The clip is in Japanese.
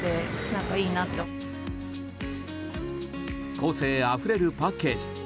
個性あふれるパッケージ。